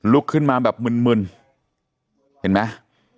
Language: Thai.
ลุกขึ้นมาแบบมึนเห็นไหม